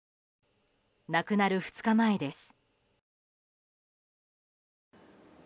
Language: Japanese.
亡くなる２日前です。